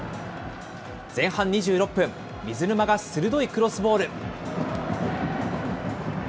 前半２６分、水沼が鋭いクロスボール。